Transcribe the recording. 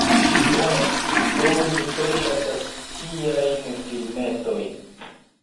Bone, do mi tre ŝatas tiajn filmetojn